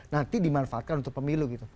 nanti dimanfaatkan untuk pemilu gitu